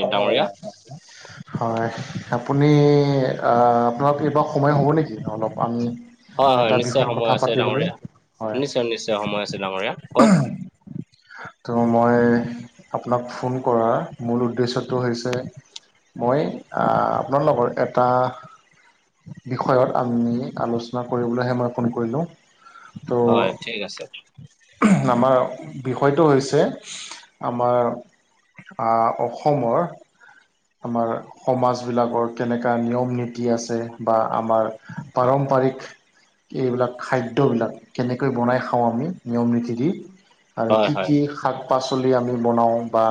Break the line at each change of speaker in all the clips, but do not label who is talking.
হয় [unintelligible] হয় আপুনি আপোনাৰ কি অলপ সময় হ'ব নেকি অলপ আমি
হয় হয়
এটা
নিশ্চয়
বিষয়ত
সময়
কথা
আছে
পাতিবলৈ
ডাঙৰীয়া,
হয়
নিশ্চয় নিশ্চয় সময় আছে ডাঙৰীয়া কওক।
ত' মই আপোনাক ফোন কৰাৰ মূল উদ্দেশ্যটো হৈছে মই আ আপোনাৰ লগত এটা বিষয়ত আমি আলোচনা কৰিবলৈহে মই ফোন কৰিলোঁ।
হয়
ত'
ঠিক আছে।
আমাৰ বি বিষয়টো হৈছে আমাৰ আ অসমৰ আমাৰ সমাজবিলাকৰ কেনেকুৱা নিয়ম নীতি আছে, বা আমাৰ পাৰম্পৰিক এইবিলাক খাদ্যবিলাক কেনেকৈ বনাই খাওঁ আমি নিয়ম নীতি দি আৰু
হয়
কি
হয়,
কি শাক পাচলি আমি বনাও বা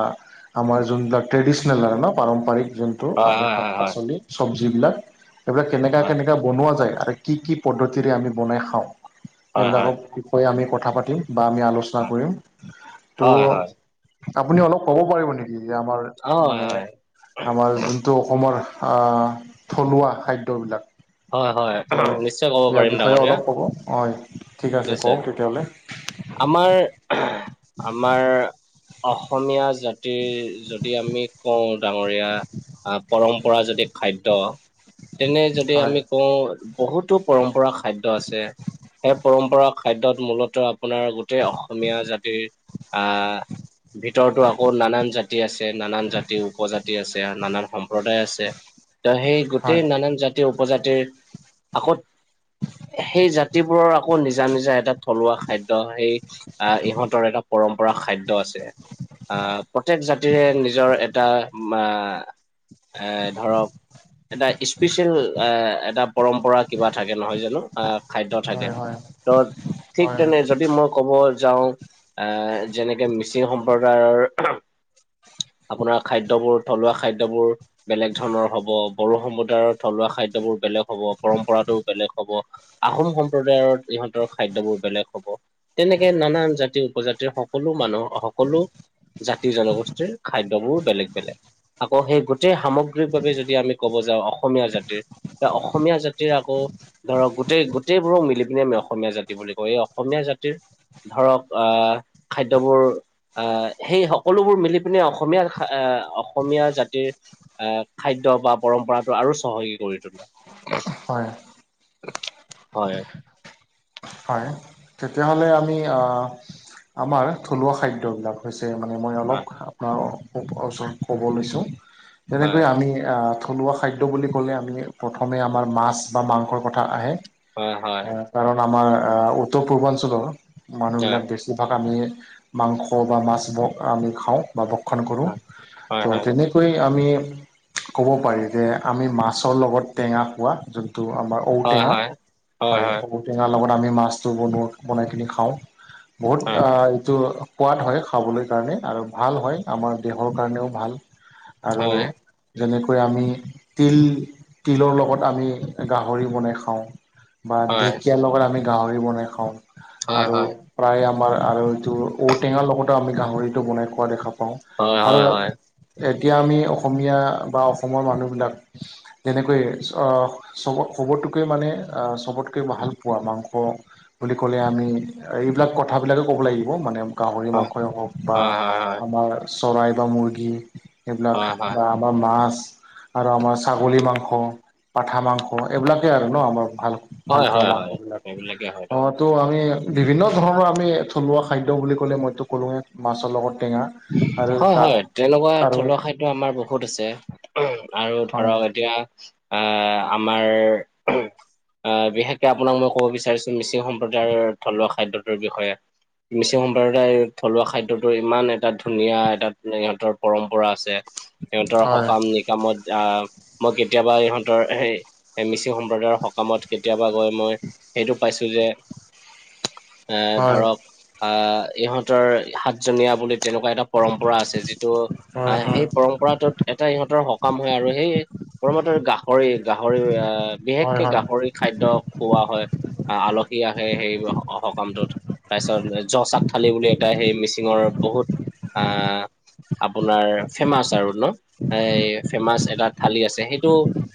আমাৰ যোনবিলাক ট্ৰেডিচনেল থাকে ন পাৰম্পৰিক যোন টো
হয়
আমি
হয়
শাক
হয় হয়,
পাচলি চব্জি বিলাক এইবিলাক কেনেকুৱা
হয়
কেনেকুৱা বনোৱা যায় আৰু কি কি পদ্ধতিৰে আমি বনাই খাওঁ,
হয় হয়।
সেইবিলাকৰ বিষয়ে আমি কথা পাতিম বা আমি আলোচ চনা কৰিম, ত
হয় হয়,
আপুনি অলপ ক'ব পাৰিব নেকি? এই যে আমাৰ
হয়
মানে
হয়,
আমাৰ যোনটো অসমৰ আহ থলুৱা খাদ্যবিলাক
হয় হয়,
ত'
নিশ্চয় ক'ব
ইয়াৰ
পাৰিম
বিষয়ে
ডাঙৰীয়া
অলপ ক'ব, হয় ঠিক আছে
নিশ্চয়।
কওক তেতিয়াহলে।
আমাৰ আমাৰ অসমীয়া জাতিৰ যদি আমি কওঁ ডাঙৰীয়া আহ পৰম্পৰা যদি খাদ্য তেনে যদি
হয়
আমি কওঁ, বহুতো পৰম্পৰা খাদ্য আছে, সেই পৰম্পৰা খাদ্যত মূলত আপোনাৰ গোটেই অসমীয়া জাতিৰ আহ ভিতৰতো আকৌ নানান জাতি জাতি আছে নানান জাতি উপজাতি আছে নানান সম সম্প্ৰদায় আছে, ত সেই
হয়
গোটেই নানান জাতি উপজাতিৰ আকত সেই জাতিবোৰৰ আকৌ নিজা নিজা এটা থলুৱা খাদ্য সেই আহ ইহঁতৰ এটা পৰম্পৰা খাদ্ দ আছে, আহ প্ৰত্যেক জাতিৰে নিজৰ এটা মাহ এ ধৰক এটা স্পেচিয়েল আহ এটা পৰম্পৰা কিবা থাকে নহয় জানো, আ খাদ্য থাকে,
হয় হয়
ত ঠিক
হয়
তেনে যদি মই ক'ব যাওঁ এ যেনেকে মিচিং সম্প্ৰদায়ৰ আপোনাৰ খাদ্যবোৰ থলুৱা খাদ্যবোৰ বেলেগ ধৰণৰ হব, বড়ো সম্প্ৰদায়ৰ থলুৱা খাদ্যবোৰ বেলেগ হব পৰম্পৰাটো বেলেগ হব। আহোম সম্প্ৰদায়ৰ ইহঁতৰ খাদ্যবোৰ বেলেগ হব। তেনেকে নানান জাতিৰ উপজাতিৰ সকলো মানুহ সকলো জাতি জনগোষ্ঠীৰ খাদ্যবোৰ বেলেগ বেলেগ, আকৌ সেই গোটেই সাম গ্ৰিক বাৱে যদি আমি ক'ব যাওঁ অসমীয়া জাতিৰ, অসমীয়া জাতিৰ আকৌ ধৰক গোটেই গোটেইবোৰক মিলি পিনি আমি অসমীয়া জাতি বুলি কওঁ, এই অসমীয়া জাতিৰ ধৰক অহ খাদ্যবোৰ আহ সেই সকলোবোৰ মিলি পিনে অসমীয়া আহ অসমীয়া জাতিৰ আহ খাদ্য বা পৰম্পৰাটো আৰু চহকী কৰি তোলে।
হয়।
হয়।
হয় তেতিয়াহ'লে আমি আমাৰ থলুৱা খাদ্যবিলাক হৈছে মানে মই
হয়
অলপ আপোনাৰ ওচৰত ক'ব লৈছোঁ।
হয়
যেনেকৈ আমি থলুৱা খাদ্য বুলি ক'লে আমি প্ৰথমে আমাৰ মাছ বা মাংসৰ কথা আহে।
হয়, হয়।
কাৰণ আমাৰ উত্তৰ পূৰ্বাঞ্চলৰ মানুহবিলাক
হয়
বেছি যিভাগ আমি মাংস বা মাছ ম আমি খাওঁ। বা ভক্ষণ কৰোঁ
হয়
তো
হয় হয়
তেনেকে কৈ আমি ক'ব পাৰি যে আমি মাছৰ লগত টেঙা খোৱা যোনটো আমাৰ ঔটেঙা
হয়
হয় ঔটেঙাৰ লগত আমি মাছটো বনোৱা বনাই কিনে খাওঁ। বহুত আ এইটো সোৱাদ হয় খাবলৈ কাৰণে আৰু ভাল হয় আমাৰ দেহৰ কাৰণেও ভাল। আৰু
হয়।
যেনেকৈ আমি তিল তিলৰ লগত আমি গাহৰি বনাই খাওঁ বা
হয়
দেখ আমি গাহৰি বনাই খাওঁ
হয়
আৰু
হয়
প্ৰায়ে আমাৰ আৰু এইটো ঔটেঙাৰ লগতো আমি গাহৰিটো বনাই খোৱা দেখা পাওঁ
হয়
আৰু
হয় হয়
এতিয়া আমি অসমীয়া বা অসমৰ মানুহবিলাক তেনেকৈয়ে চব চবতটোকে মানে চবত ভাল পোৱা মাংস বুলি ক'লে আমি এইবিলাক কথাবিলাকে ক'ব লাগিব মানে গাহৰি
হয়
মাংসই হওক বা
হয় হয়
আমাৰ চৰাই বা মুৰ্গী সেইবিলাক
হয় হয়
বা বা মাছ আৰু আমাৰ ছাগলী মাংস পাঠা মাংস এইবিলাকেই আৰু ন আমাৰ ভাল
হয় হয়
ভালপোৱা
হয়
মাংস
হয়
বিলাক
এইবিলাকে হয় তাৰ
অ', তো আমি বিভিন্ন ধৰণৰ আমি থলুৱা খাদ্য বুলি ক'লে মইতো ক'লোৱেই মাছৰ লগত টেঙা আৰু
হয়,
তাত
হয় তেনেকুৱা
আৰু
থলুৱা খাদ্য টো আমাৰ বহুত আছে আৰু
হয়
ধৰক এতিয়া। অ' আমাৰ আহ বিশেষকে আপোনাক মই ক'ব বিচাৰিছো মিচিং সম্প্ৰদায়ৰ থলুৱা খাদ্যটোৰ বিষয়ে। মিচিং সম্প্ৰদায় থলুৱা খাদ্যতটো ইমান এটা ধুনীয়া এটা ইহঁতৰ পৰম্পৰা আছে সিহঁতৰ
হয়
সকাম নিকামত যাম মই কেতিয়াবা ইহঁতৰ হেই মিচিং সম্প্ৰদায়ৰ সকামত কেতিয়াবা গৈ মই সেইটো পাইছোঁ যে আ
হয়
ধৰক আহ ইহঁতৰ সাতজনীয়া বুলি তেনেকুৱা এটা পৰম্পৰা আছে যিটো
হয় হয়
আহ সেই পৰম্পৰাটোত এটা ইহঁতৰ সকাম হয় আৰু সেই সকামত গাহৰি, গাহৰি
হয়
বিশেষকে
হয়
গাহৰি খাদ্য খুওৱা হয় আহ আলহী আহে সেই সকামটোত তাৰপিছত যচাক থালি বুলি এটা সেই মিচিঙৰ বহুত আ আপোনাৰ ফেমাচ আৰু ন। এ ফেমাচ এটা থালি আছে সেইটো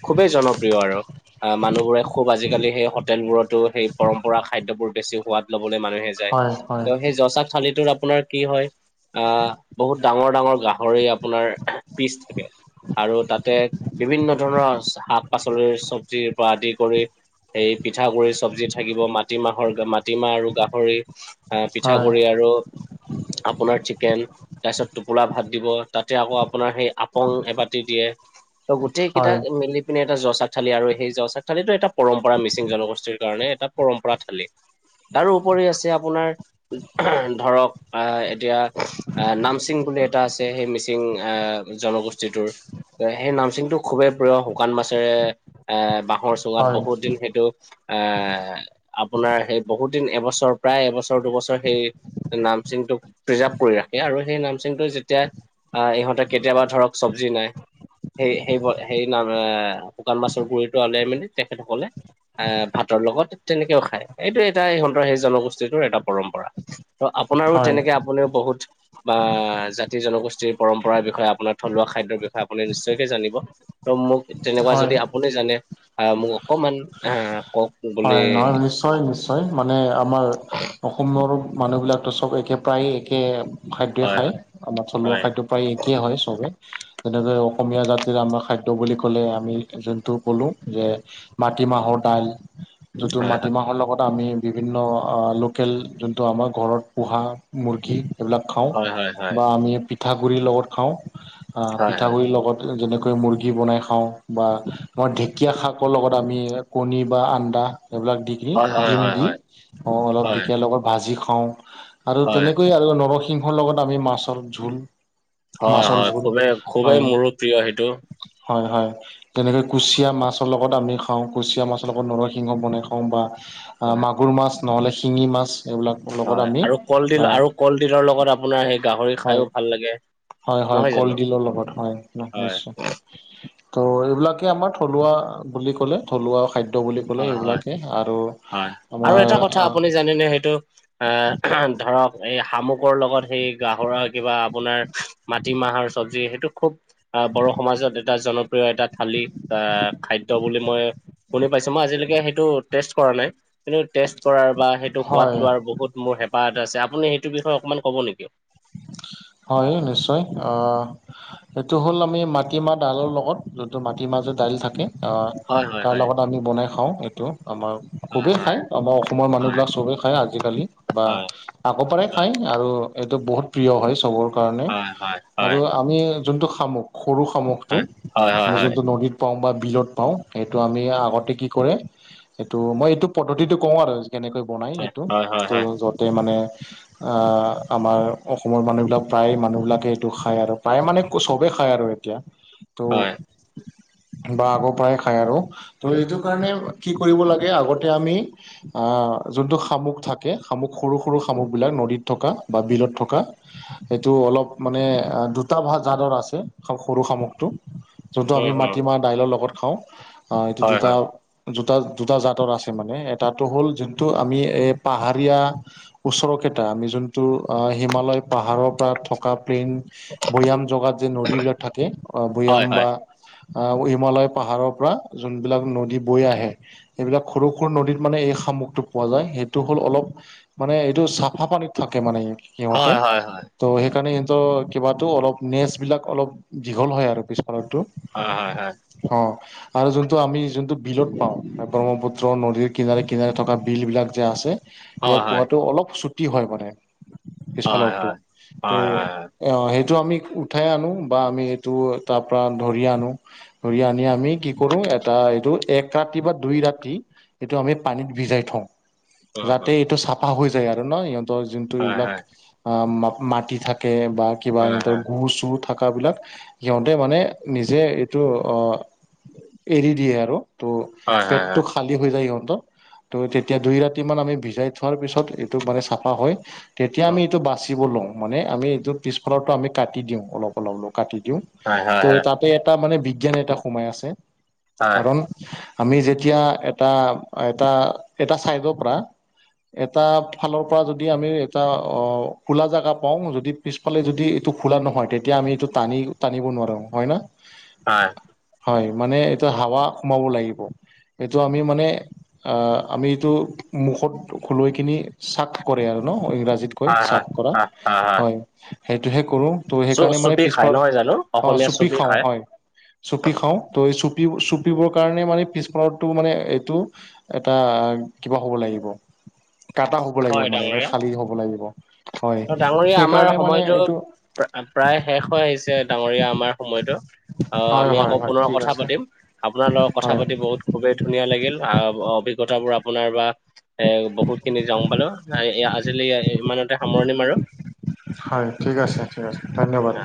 খুবেই জনপ্ৰিয় আৰু। অ', মানুহবোৰে খুব আজিকালি সেই হোটেলবোৰতো সেই পৰম্পৰা খাদ্যবোৰ বেছি সোৱাদ ল'বলৈ মানুহে যায়
হয় হয়
তেওঁ সেই যচাক থালিটোত আপোনাৰ কি হয় আহ বহুত ডাঙৰ, ডাঙৰ গাহৰি আপোনাৰ পিচ থাকে। আৰু তাতে বিভিন্ন ধৰণৰ শাক পাচলিৰ চবজিৰ পৰা আদি কৰি- সেই পিঠাগুৰিৰ চব্জি থাকিব, মাটিমাহৰ মাটিমাহ আৰু গাহৰি- আহ'
হয়
পিঠাগু়ৰি আৰু আপোনাৰ কেন তাৰপিছত টোপোলা ভাত দিব, তাতে আকৌ আপোনাৰ সেই আপং এবাতি দিয়ে। ত' গোটেই কেইটা
হয়
মিলি- পিনে এটা যচাক থালি আৰু সেই যচাক থালিটো এটা পৰম্পৰা মিচিং জনগোষ্ঠীৰ কাৰণে এটা পৰম্পৰা থালী। তাৰোপৰি আছে আপোনাৰ ধৰক বা এতিয়া- আহ' নামচিং বুলি এটা আছে সেই মিচিং আহ' জনগোষ্ঠীটোৰ। সেই নামচিংটো খুবেই প্ৰিয় শুকান মাছেৰে এ বাঁহৰ চুঙাত
হয়
বহুত দিন সেইটো- আহ' আপোনাৰ সেই বহুত দিন এবছৰ প্ৰায় এবছৰ দুবছৰ সেই- নাম চিং তোক প্ৰিজাৰ্ভ- কৰি ৰাখে আৰু সেই নামচিংটো যেতিয়া আহ' ইহঁতে কেতিয়াবা ধৰক চবজি নাই- সেই সেই সেই নাম, শুকান মাছৰ গুৰিটো হ'লে মানে তেখেতসকলে- আহ' ভাতৰ লগত তেনেকেও খায়। এইটোয এটা ইহঁতৰ সেই জনগোষ্ঠীটোৰ এটা পৰম্পৰা। ত' আপোনাৰো
হয়
তেনেকে আপুনিও বহুত- বা জাতি জনগোষ্ঠীৰ পৰম্পৰাৰ বিষয়ে আপোনাৰ থলুৱা খাদ্যৰ বিষয়ে আপুনি নিশ্চয়কে জানিব। ত' মোক তেনেকুৱা
হয়
যদি আপুনি জানে আহ' মোক অকমান আহ'- কওক বুলি
হয়, নহয়, নিশ্চয় নিশ্চয় মানে আমাৰ অস অসমৰ মানুহবিলাকতো চ'ব একে প্ৰায় একে খাদ্যই
হয়
খায়।
হয়
আমাৰ থলুৱা
হয়
খাদ্য- প্ৰায় একেই হয় চবে, যেনেকৈ অসমীয়া জাতিৰ আমাৰ খাদ্য বুলি ক'লে আমি যোনটো- ক'লো যে মাটিমাহৰ দাইল- যোনটো
হয়
মাটিমাহৰ লগত আমি বিভিন্ন লোকেল যোনটো আমাৰ ঘৰত পোহা- মুৰ্গী সেইবিলাক খাওঁ
হয় হয় হয়
বা আমি পিঠাগুড়িৰ লগত খাওঁ।
হয় হয়
পিঠাগুড়ি লগত- যেনেকৈ মুৰ্গী বনাই খাওঁ বা আমাৰ ঢেঁকীয়া শাকৰ লগত আমি কণী- বা আন্দা এইবিলাক দি কি
হয় হয় হয়
ডিম
হয়
দি অলপ ঢেকীয়ীয়া লগত ভাজি খাওঁ। আৰু
হয় হয়
তেনেকৈ আৰু নৰসিংহৰ লগত আমি মাছৰ জোল।
হয়
মাছৰ
হয়,
জোল
খুবেই, খুবেই
হয়
মোৰো প্ৰিয় সেইটো।
হয় হয়, যেনেকে কুচিয়া মাছৰ লগত আমি খাওঁ, কুচিয়া মাছ ৰ লগত নৰসিংহ বনাই খাওঁ বা
হয়
মাগুৰ মাছ নহ'লে শিঙি মাছ এইবিলাক। লগত
হয়
আমি
আৰু কলডিল
আহ
আৰু কলডিলৰ লগত আপোনাৰ সেই- গাহৰি খাইও
হয়,
ভাল লাগে
হয় হয়,
নহয় জানো
কলডিলৰ লগত হয়,
হয়
নিশ্চয়। ত' এইবিলাকে আমাৰ থলুৱা বুলি ক'লে থলুৱা খাদ্য বুলি ক'লে
হয় হয়
এইবিলাকে আৰু আমাৰ আ
জানে নে সেইটো? আহ' ধৰক এই শামুকৰ লগত সেই গাহৰাৰ কিবা আপোনাৰ- মাটিমাহৰ চবজি, সেইটো খুব আহ' বড়ো সমাজত এটা জন প্ৰিয় এটা থালি আহ' খাদ্য বুলি মই শুনি আজিলৈকে সেইটো টেষ্ট কৰা নাই। কিন্তু টেষ্ট কৰাৰ বা সেইটো
হয়
হোৱাত লোৱাৰ মোৰ বহুত হেঁপাহ- আছে, আপুনি সেইটো বিষয় অকমান ক'ব নেকি?
হয় নিশ্চয়, অহ'- এইটো হ'ল আমি মাটিমাহ ডালৰ লগত যোনটো মাটি মাহ যে দাইল থাকে। আহ'
হয় হয়
তাৰ
হয়
লগত আমি বনাই খাওঁ এইটো আমাৰ
হয়
খুবেই
হয়
খায়, আমাৰ অসমৰ
হয়
মানুহবিলাক চবেই খায় আজিকালি বা-
হয়
আগৰ পৰাই খায় আৰু এইটো বহুত প্ৰিয় হয় চবৰ কাৰণে
হয় হয় হয় হয়
আৰু- আমি যোনটো শামুক সৰু শামুকটো
হয়
আমি
হয়
যোনটো নদীত পাওঁ বা বিলত পাওঁ সেইটো আমি আগতে কি কৰে এইটো মই এইটো পদ্ধতিটো কওঁ আৰু কেনেকৈ বনায়
হয়
সেটো
হয় হয় হয়
ত'
হয়
য'তে মানে আমাৰ অসমৰ মানুহবিলাক প্ৰায় মানুহবিলাকে এইটো খায় আৰু, প্ৰায় মানে চবেই খায় আৰু এতিয়া। ত' বা আগৰ পৰাই খাই আৰু ত' এইটো কাৰণে কি কৰিব লাগে আগতে আমি আঁহ যোনটো শামুক থাকে শামুক সৰু সৰু শামুক বিলাক নদীত থকা বা বিলত থ কা সেইটো অলপ মানে খঁ দুটা ভা জাতৰ আছে সৰু শামুকটো যোনটো আমি
হয়
মাটিমাহ দাইলৰ লগত খাওঁ অঁ এইটো
হয় হয় হয় হয় হয়
দুটা দুটা দুটা জাতৰ আছে মানে এটাটো হ'ল যোনটো আমি এই পাহাৰীয়া ওচৰ কেইটা আমি যোনটো আ' হিমালয় পাহাৰৰ পৰা থকা প্লেইন ভৈয়াম জগাত যে নদীবলাক থাকে অ'
হয়
ভৈয়াম বা আহ' হিমালয় পাহাৰৰ পৰা যোনবিলাক নদী বৈ আহে সেইবিলাক সৰু সৰু নদীত মানে এই শামুকটো পোৱা যায়, সেইটো হ'ল অলপ মানে এইটো চাফা পানীত থাকে মানে সিহঁতে।
হয় হয় হয় হয়
ত' সেইকাৰণে সিহতৰ কিবাটো অলপ নেচ বিলাক অলপ দীঘল হয় আৰু পিছফালতো
হয় হয় হয়।
অঁ আৰু যোনটো আমি যোনটো বিলত পাওঁ, এ ব্ৰহ্মপুত্ৰ নদীৰ কিনাৰে কিনাৰে থকা বিল বিলাক যে আছে ইয়াত পোৱাটো অলপ ছুটি হয় মানে। পিছফালৰটো ত' এঅঁ সেইটো আমি উঠাই আনো বা আমি সেইটো তাৰ পৰা ধৰি আনো। ধৰি আনি আমি কি কৰো এটা এইটো এক ৰাতি বা দুই ৰাতি এইটো আমি পানীত ভিজাই থওঁ, যাতে এইটো চাফা হৈ যায় আৰু ন' ইহঁতৰ যোনটো এইবিলাক অঁ মা মাটি থাকে বা কিবা ইহঁতৰ গুৰ চুৰ থাকা বিলাক সিহঁতে মানে নিজে এইটো অঁ এৰি দিয়ে আৰু তো' পেটটো খালী হৈ যায় সিহঁতৰ তো তেতিয়া দুই ৰাতি মান আমি ভিজাই থোৱাৰ পিছত এইটো মানে চাফা হয়। তেতিয়া আমি এইটো বাচিব লওঁ, মানে আমি এইটো পিছফালৰটো আমি কাটি দিওঁ। অলপ অলপ অলপ কাটি দিওঁ। ত' তাতে এটা মানে বিজ্ঞান এটা সোমাই আছে। কাৰণ আমি যেতিয়া এটা এটা এটা চাইডৰ পৰা এটা ফালৰ পৰা যদি আমি এটা অঁ খোলা জেগা পাওঁ যদি পিছফালে যদি এইটো খোলা নহয় তেতিয়া আমি এইটো টানি টানিব নোৱাৰোঁ হয় না?
হয়।
হয় মানে এইটো হাৱা সোমাব লাগিব, এইটো আমি মানে আঁহ আমিইটো মুখত খোলৈ কিনি চাক কৰে আৰু ন' ইংৰাজীত কয় চাক কৰা, হয়। সেইটোহে কৰোঁ। ত' সেইকাৰণে মানে
চুপি খাই
পিছফালত
নহয় জানো?
অঁ
অসমীয়া
চুপি খাওঁ
খায়।
হয়। চুপি খাওঁ ত' এই চুপ চুপিবৰ কাৰণে মানে পিছফালৰটো মানে এইটো এটা কিবা হ'ব লাগিব। কাটা হ'ব লাগিব
হয়
মানে এবাৰ
ডাঙৰীয়া।
খালী হ'ব লাগিব। হয়,
আৰু ডাঙৰীয়া আমাৰ
সেইকাৰণে মানে
সময়টো
এইটো
প্ৰা প্ৰায় শেষ হৈ আহিছে, ডাঙৰীয়া আমাৰ সময়তো অঁ
হয়
আমি
হয়
আকৌ
হয়
পুনৰ
ঠিক
কথা
আছে
পাতিম। আপোনাৰ লগত কথা
হয়
পাতি বহুত খুবেই ধুনীয়া লাগিল, আহ অভিজ্ঞতাবোৰ আপোনাৰ বা এ বহুত খিনি [unintelligible] পালো আজিলৈ ইমানতে সামৰণি মাৰো।
হয়, ঠিক আছে, ঠিক আছে ধন্যবাদ।